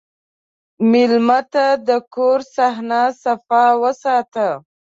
مېلمه ته د کور صحن صفا وساته.